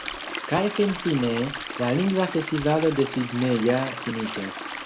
Kaj finfine, la Lingva Festivalo de Sidnejo finiĝas.